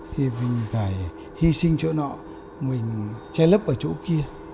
thì mình phải hy sinh chỗ nọ mình che lấp ở chỗ kia